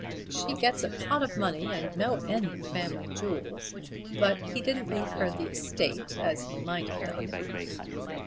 She gets a pot of money, and no end of family jewels; but he didn't leave her the estate as he might have done."